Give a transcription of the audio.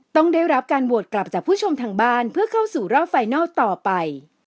ต้องได้รับการโหวตกลับจากผู้ชมทางบ้านเพื่อเข้าสู่รอบไฟนัลต่อไป